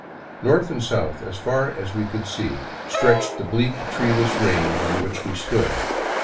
North and south, as far as we could see, stretched the bleak, treeless range on which we stood.